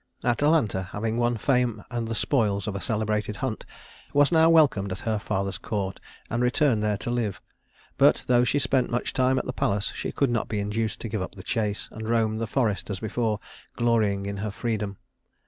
Atalanta, having won fame and the spoils of a celebrated hunt, was now welcomed at her father's court and returned there to live. But though she spent much time at the palace, she could not be induced to give up the chase, and roamed the forests as before, glorying in her freedom.